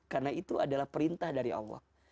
karena itu adalah perintah dari allah